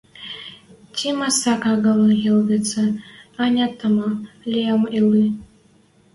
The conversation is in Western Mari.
Ти масак агыл ылгецӹ, ӓнят-тама лиӓм ыльы...